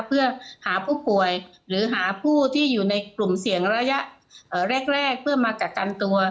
เพื่อหาผู้ป่วยหรือหาผู้ที่อยู่ในกลุ่มเสี่ยงระยะแรกเพื่อมากักกันตัว